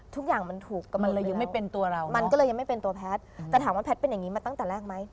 ทุกอย่างมันถูกกำหนดเลยแล้วมันก็เลยยังไม่เป็นตัวแพทย์แต่ถามว่าแพทย์เป็นอย่างนี้มาตั้งแต่แรกไหม